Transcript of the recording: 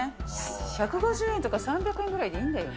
１５０円とか３００円ぐらいでいいんだよね。